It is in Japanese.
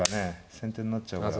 先手になっちゃうから。